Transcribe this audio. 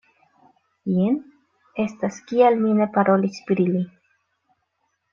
Jen estas kial mi ne parolis pri li.